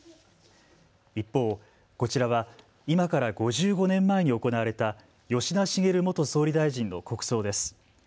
一方、こちらは今から５５年前に行われた吉田茂元総理大臣の国葬です。